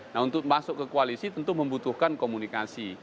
nah untuk masuk ke koalisi tentu membutuhkan komunikasi